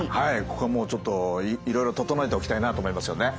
ここはもうちょっといろいろ整えておきたいなと思いますよね。